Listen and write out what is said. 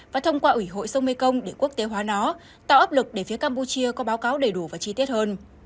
và thông qua ủy hội sông mê công để quốc tế hóa nó tạo ấp lực để phía campuchia có báo cáo đầy đủ và chi tiết hơn